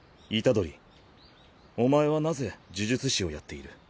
虎杖お前はなぜ呪術師をやっている？